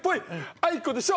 あいこでしょ！